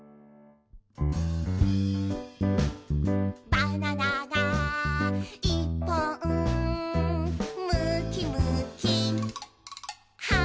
「バナナがいっぽん」「むきむきはんぶんこ！」